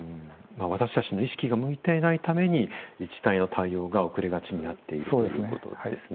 私たちの意識が向いていないために自治体の対応が遅れがちになっているということですね。